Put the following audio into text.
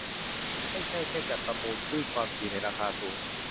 ไม่ใช่แค่จัดประมูลคลื่นความถี่ในราคาสูง